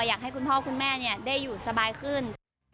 อยากให้คุณพ่อคุณแม่ได้อยู่สบายขึ้น